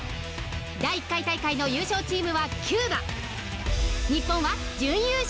第１回大会の優勝チームはキューバ。